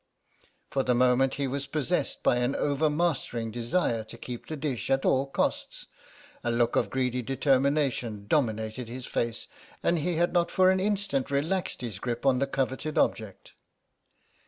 For the moment he was possessed by an overmastering desire to keep the dish at all costs; a look of greedy determination dominated his face, and he had not for an instant relaxed his grip of the coveted object.